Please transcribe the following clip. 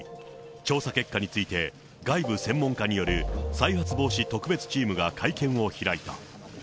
調査結果について、外部専門家による再発防止特別チームが会見を開いた。